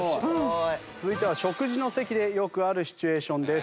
続いては食事の席でよくあるシチュエーションです。